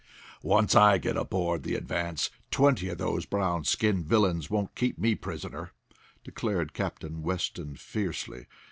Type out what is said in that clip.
"Once I get aboard the Advance twenty of those brown skinned villains won't keep me prisoner," declared Captain Weston fiercely.